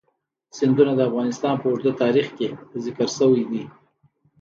سیندونه د افغانستان په اوږده تاریخ کې ذکر شوی دی.